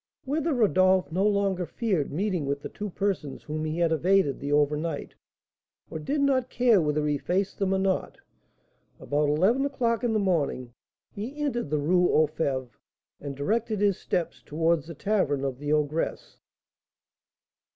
Whether Rodolph no longer feared meeting with the two persons whom he had evaded the over night, or did not care whether he faced them or not, about eleven o'clock in the morning he entered the Rue aux Fêves, and directed his steps towards the tavern of the ogress.